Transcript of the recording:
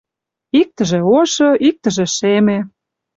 Иктыже ошо, иктыже шеме.